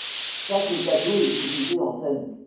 Chaque tableau est divisé en scènes.